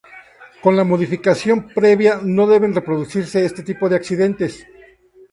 Con la modificación prevista no deben reproducirse este tipo de accidentes.